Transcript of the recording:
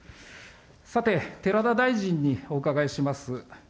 さて、寺田大臣にお伺いします。